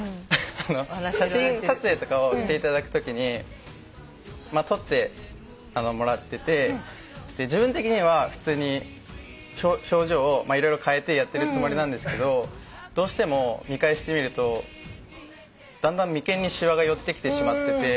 写真撮影とかをしていただくときに撮ってもらってて自分的には普通に表情を色々変えてやってるつもりなんですけどどうしても見返してみるとだんだん眉間にしわが寄ってきて。